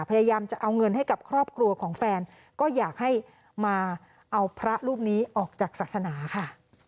พยายามจะเอาเงินให้กับครอบครัวของแฟนก็อยากให้มาเอาพระรูปนี้ออกจากศาสนาค่ะ